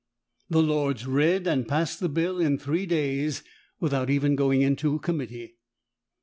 The lords read and passed the bill in three days, without even going into a committee.